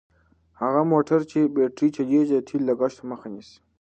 هغه موټر چې په بېټرۍ چلیږي د تېلو د لګښت مخه نیسي.